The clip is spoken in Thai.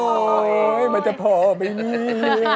โอ้โหมันจะพอไหมเนี่ย